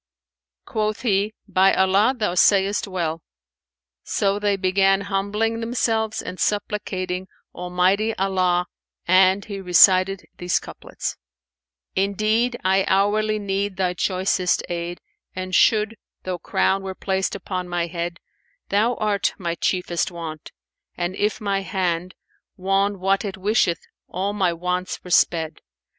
Quoth he, "By Allah, thou sayest well!" So they began humbling themselves and supplicating Almighty Allah and he recited these couplets, "Indeed I hourly need thy choicest aid, * And should, though crown were placed upon my head: Thou art my chiefest want, and if my hand * Won what it wisheth, all my wants were sped.